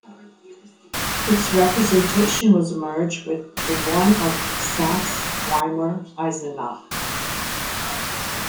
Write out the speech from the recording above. Its representation was merged with the one of Saxe-Weimar-Eisenach.